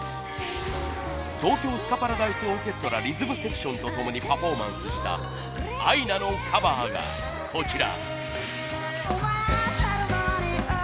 東京スカパラダイスオーケストラリズムセクションとともにパフォーマンスしたアイナのカバーがこちら。